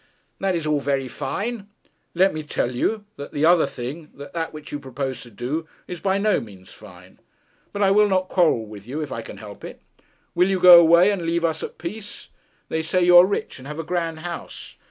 'That is all very fine.' 'Let me tell you, that the other thing, that which you propose to do, is by no means fine. But I will not quarrel with you, if I can help it. Will you go away and leave us at peace? They say you are rich and have a grand house.